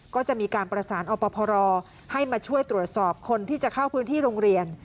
ก็จะมีการประสานอพรให้มาช่วยตรวจสอบคนที่จะเข้าพื้นที่โรงเรียน